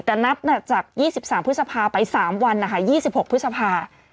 แต่นับจาก๒๓พฤษภาไป๓วันนะคะ๒๖พฤษภา